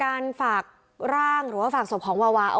พี่น้องวาหรือว่าน้องวาหรือ